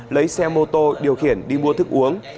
lấy xe mô tô điều khiển đi mua thức uống